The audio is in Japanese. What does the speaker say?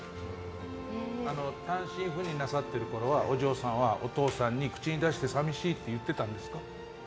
単身赴任なさっている時はお嬢さんはお父さんに口に出して寂しいって言っていたんですか？